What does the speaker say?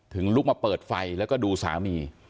ลุกมาเปิดไฟแล้วก็ดูสามี